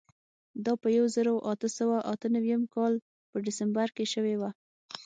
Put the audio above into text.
دا په یوه زرو اتو سوو اته نوېم کال په ډسمبر کې شوې وه.